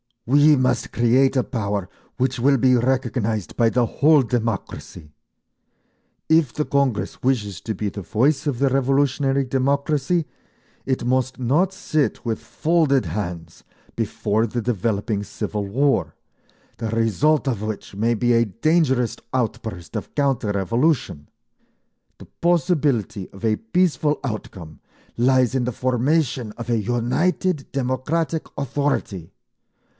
… We must create a power which will be recognised by the whole democracy. If the Congress wishes to be the voice of the revolutionary democracy it must not sit with folded hands before the developing civil war, the result of which may be a dangerous outburst of counter revolution…. The possibility of a peaceful outcome lies in the formation of a united democratic authority….